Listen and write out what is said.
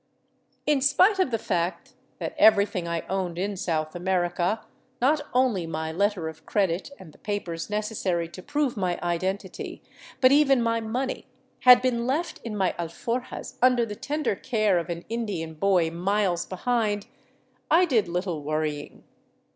In spite of the fact that everything I owned in South America, not only my letter of credit and the papers necessary to prove my identity, but even my money, had been left in my alforjas under the tender care of an Indian boy miles behind, I did little worrying.